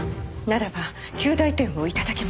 ならば及第点を頂けますか？